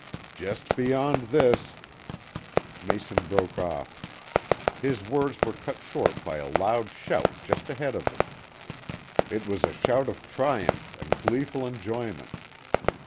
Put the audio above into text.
"Just beyond this " Mason broke off. His words were cut short by a loud shout just ahead of them. It was a shout of triumph and gleeful enjoyment.